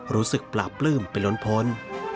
รู้สึกปราบปลื้มไปล้นพ้น